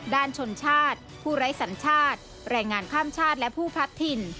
ชนชาติผู้ไร้สัญชาติแรงงานข้ามชาติและผู้พัดถิ่น